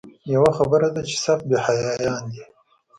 یوه خبره ده چې سخت بې حیایان دي.